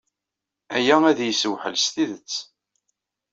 Aya ad iyi-yessewḥel s tidet.